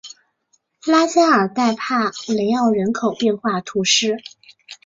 拉加尔代帕雷奥人口变化图示